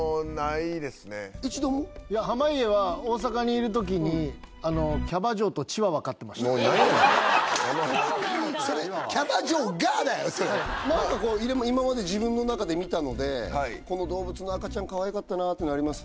いや濱家は大阪にいる時にもう何やねんやめろそれキャバ嬢がだよ今まで自分の中で見たのでこの動物の赤ちゃんかわいかったなっていうのあります？